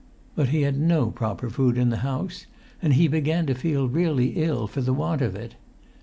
But he had no proper food in the house, and he began to feel really ill for the want of it.